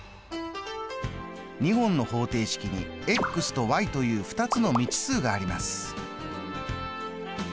２本の方程式にとという２つの未知数があります。